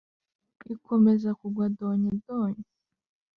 Ikomeza kugwa donyidonyi